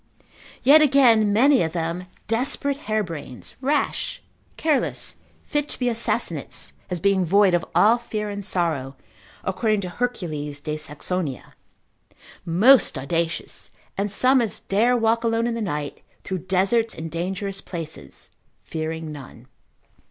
Yet again, many of them desperate harebrains, rash, careless, fit to be assassinates, as being void of all fear and sorrow, according to Hercules de Saxonia, Most audacious, and such as dare walk alone in the night, through deserts and dangerous places, fearing none.